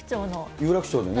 有楽町のね。